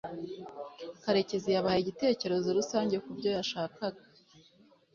karekezi yabahaye igitekerezo rusange kubyo yashakaga